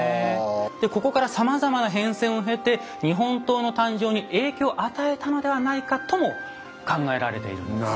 でここからさまざまな変遷を経て日本刀の誕生に影響を与えたのではないかとも考えられているんです。